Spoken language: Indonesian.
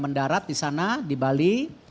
mendarat di sana di bali